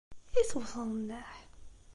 I tewteḍ nneḥ?